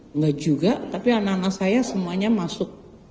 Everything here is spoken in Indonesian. enggak juga tapi anak anak saya semuanya masuk